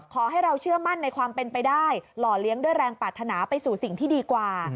ขอให้เราเชื่อมั่นในความเป็นไปได้หล่อเลี้ยงด้วยแรงปรารถนาไปสู่สิ่งที่ดีกว่า